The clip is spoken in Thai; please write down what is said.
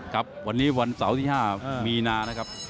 ครับวันนี้วันเสาร์ที่๕มีนานะครับ